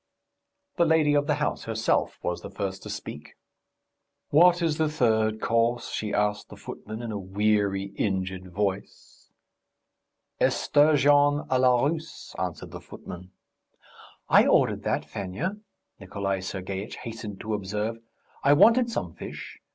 The lady of the house, herself, was the first to speak. "What is the third course?" she asked the footman in a weary, injured voice. "Esturgeon à la russe," answered the footman. "I ordered that, Fenya," Nikolay Sergeitch hastened to observe. "I wanted some fish.